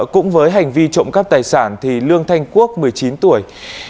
cũng với hành vi trộm cắp tài sản thì lương thanh quốc một mươi chín tuổi